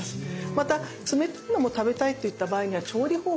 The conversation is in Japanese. また冷たいのも食べたいといった場合には調理法を工夫すると。